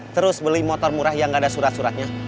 terus beli motor murah yang nggak ada surat suratnya